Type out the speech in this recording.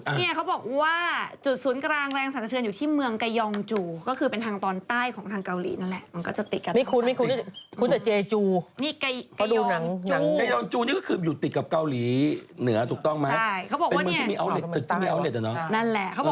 เนี่ยเขาบอกว่าจุดสุนกรางแรงสรรสเทือนอยู่ที่เมืองคายองจูก็คือเป็นทางตอนใต้ของทางเกาหลีนั่นแหละ